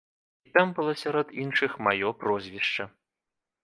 І там было сярод іншых маё прозвішча.